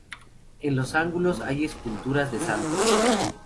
En los ángulos hay esculturas de santos.